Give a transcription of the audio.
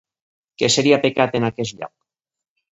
Què seria pecat en aquest lloc?